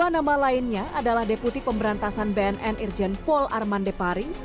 nama lainnya adalah deputi pemberantasan bnn irjen paul armande pari